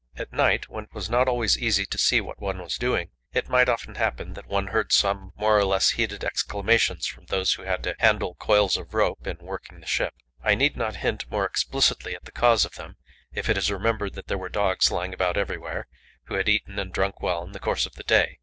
At night, when it was not always easy to see what one was doing, it might often happen that one heard some more or less heated exclamations from those who had to handle coils of rope in working the ship. I need not hint more explicitly at the cause of them, if it is remembered that there were dogs lying about everywhere, who had eaten and drunk well in the course of the day.